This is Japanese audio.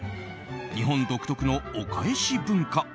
日本独特のお返し文化。